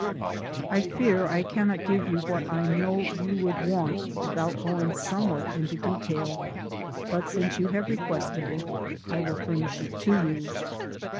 I fear I cannot give you what I know you would want without going some what into detail, but since you have requested it, I will furnish it to you.